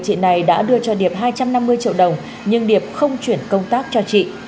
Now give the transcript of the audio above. công an tp huế đã đưa cho điệp hai trăm năm mươi triệu đồng nhưng điệp không chuyển công tác cho trị